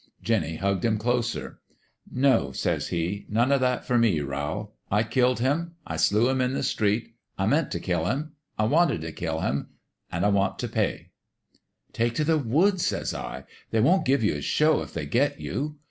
" Jinny hugged him closer. "' No,' says he ;' none o' that for me, Rowl. I killed him. I slew him in the street. I meant t' kill him. I wanted t' kill him ; an' I want t' pay.' "' Take t' the woods,' says I ;' they won't give you a show if they get you.'